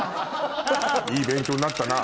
いい勉強になったな。